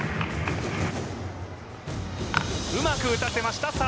うまく打たせました。